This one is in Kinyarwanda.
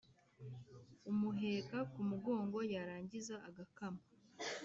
umuheka ku mugongo yarangiza agakáma